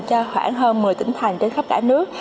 cho khoảng hơn một mươi tỉnh thành trên khắp cả nước